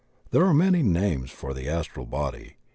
TTiere are many names for the Astral Body.